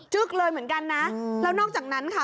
ึ๊กเลยเหมือนกันนะแล้วนอกจากนั้นค่ะ